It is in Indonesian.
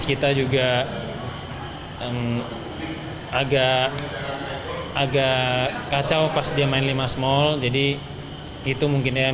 kita main dengan basketball